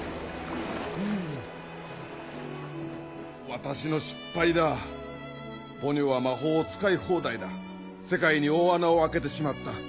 私の失敗だポニョは魔法を使い放題だ世界に大穴を開けてしまった。